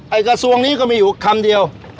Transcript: กระทรวงนี้ก็มีอยู่คำเดียว